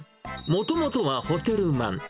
もともとはホテルマン。